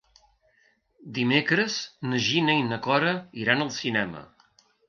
Dimecres na Gina i na Cora iran al cinema.